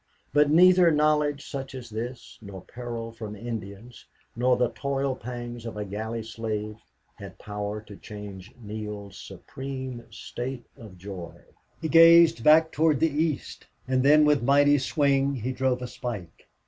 But neither knowledge such as this, nor peril from Indians, nor the toil pangs of a galley slave had power to change Neale's supreme state of joy. He gazed back toward the east, and then with mighty swing he drove a spike.